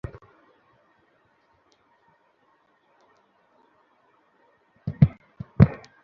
না, আমি তার থেকেও বেশি ভালোবাসি আর তোমাকে দুধ খেতেই হবে।